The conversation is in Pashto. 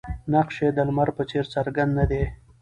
نقش یې د لمر په څېر څرګند نه دی.